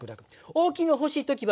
大きいのが欲しい時は。